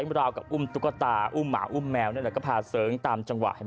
ให้ของเรากับอุ้มตุ๊กตาอุ้มหมาอุ้มแมวนั่นแล้วก็พาเสริงตามจังหวะ